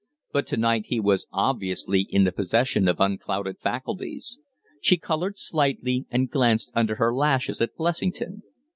But to night he was obviously in the possession of unclouded faculties. She colored slightly and glanced under her lashes at Blessington.